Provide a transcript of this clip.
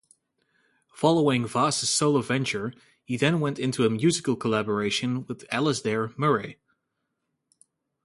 Following Vas's solo venture, he then went into a musical collaboration with Alasdair Murray.